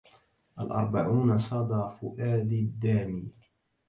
الأربعون صدى فؤادي الدامي